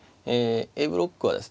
Ａブロックはですね